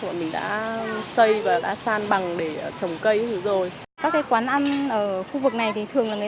bọn mình đã xây và đã san bằng để trồng cây rồi các cái quán ăn ở khu vực này thì thường là người